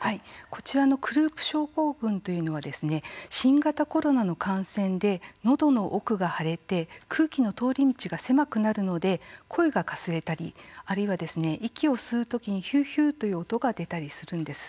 こちらのクループ症候群はというのは、新型コロナの感染でのどの奥が腫れて空気の通り道が狭くなるので声がかすれたり、あるいは息を吸うときにヒューヒューという音が出たりするんです。